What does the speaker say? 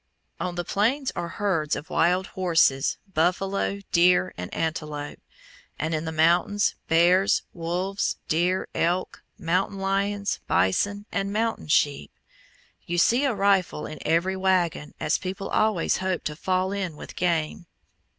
On the Plains are herds of wild horses, buffalo, deer, and antelope; and in the Mountains, bears, wolves, deer, elk, mountain lions, bison, and mountain sheep. You see a rifle in every wagon, as people always hope to fall in with game.